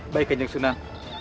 baik kanjeng sunan